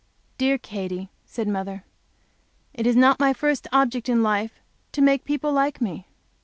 "Dear Katy," said mother, "it is not my first object in life to make people like me."